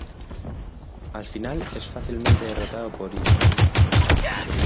Al final, es fácilmente derrotado por Iris.